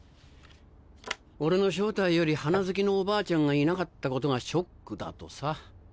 俺の正体より花好きのおばあちゃんがいなかったことがショックだとさ。